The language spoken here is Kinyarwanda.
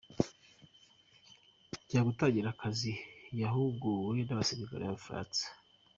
Ajya gutangira akazi yahuguwe n’abasirikare b’Abafaransa